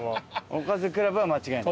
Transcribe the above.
おかずクラブは間違いない？